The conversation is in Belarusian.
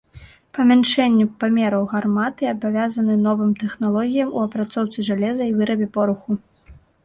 Памяншэнню памераў гарматы абавязаны новым тэхналогіям у апрацоўцы жалеза і вырабе пораху.